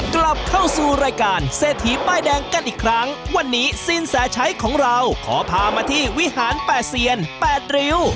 หลักภูมิของเราขอพามาที่วิหารแปดเซียนแปดริว